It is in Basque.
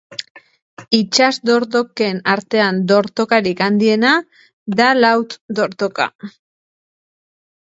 Itsas dortoken artean dortokarik handiena da laut dortoka.